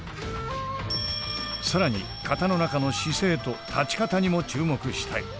更に型の中の姿勢と立ち方にも注目したい。